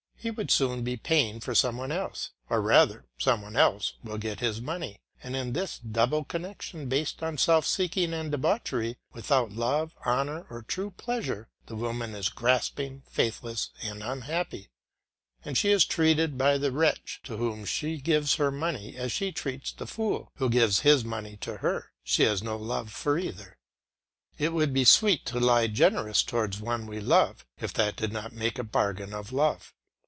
He will soon be paying for some one else, or rather some one else will get his money; and in this double connection based on self seeking and debauchery, without love, honour, or true pleasure, the woman is grasping, faithless, and unhappy, and she is treated by the wretch to whom she gives her money as she treats the fool who gives his money to her; she has no love for either. It would be sweet to lie generous towards one we love, if that did not make a bargain of love.